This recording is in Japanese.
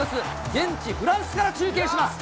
現地フランスから中継します。